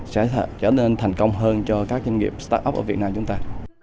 sẽ trở nên thành công hơn cho các doanh nghiệp start up ở việt nam chúng ta